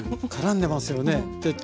からんでますよね。